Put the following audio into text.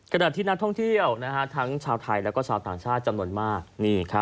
ขณะที่นักท่องเที่ยวทั้งชาวไทยและชาวต่างชาติจำนวนมาก